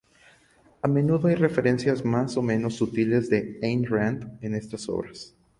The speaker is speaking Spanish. A menudo hay referencias más o menos sutiles a Ayn Rand en estas obras.